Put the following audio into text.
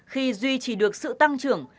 khi duy trì được sự tăng trưởng